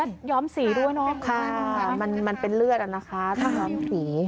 ย้อมสีด้วยเนอะค่ะมันมันเป็นเลือดอ่ะนะคะใช่ย้อมสี